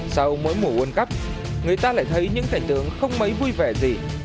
sau mỗi mùa ôn cấp người ta lại thấy những cảnh tưởng không mấy vui vẻ gì